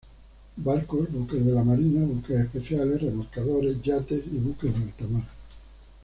Barcos, buques de la marina, buques especiales, remolcadores, yates y buques de alta mar.